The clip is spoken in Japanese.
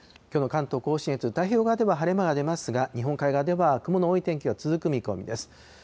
きょうの関東甲信越太平洋側では晴れ間が出ますが、日本海側では雲の多い天気が続く見込みです。